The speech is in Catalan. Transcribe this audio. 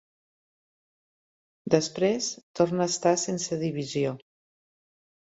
Després, torna a estar sense divisió.